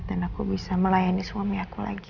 dan aku bisa melayani suami aku lagi